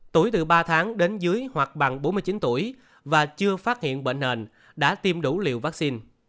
tuổi từ ba tháng đến dưới hoặc bằng bốn mươi chín tuổi và chưa phát hiện bệnh nền đã tiêm đủ liều vaccine